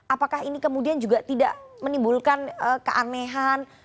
apakah ini kemudian juga tidak menimbulkan keanehan